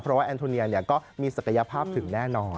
เพราะว่าแอนโทเนียก็มีศักยภาพถึงแน่นอน